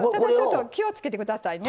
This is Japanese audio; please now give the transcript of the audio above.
気をつけてくださいね。